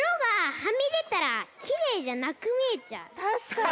たしかに。